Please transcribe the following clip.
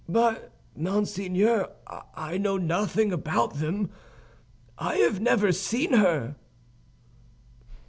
"But, monseigneur, I know nothing about them; I have never seen her."